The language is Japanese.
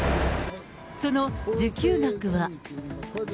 その受給額は。